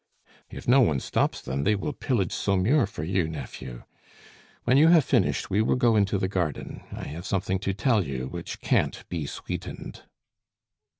"If no one stops them, they will pillage Saumur for you, nephew. When you have finished, we will go into the garden; I have something to tell you which can't be sweetened."